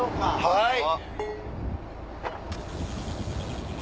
はい。